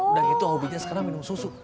udah gitu hobinya sekarang minum susu